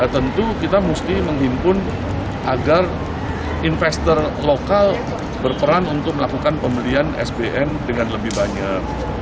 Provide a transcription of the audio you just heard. tentu kita mesti menghimpun agar investor lokal berperan untuk melakukan pembelian sbn dengan lebih banyak